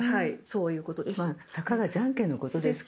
そういうことです。